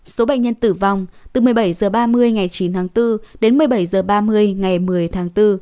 số bệnh nhân tử vong từ một mươi bảy h ba mươi ngày chín tháng bốn đến một mươi bảy h ba mươi ngày một mươi tháng bốn